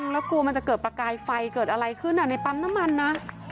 แล้วกลัวมันจะเกิดประกายไฟเกิดอะไรขึ้นในปั๊มน้ำมันนะ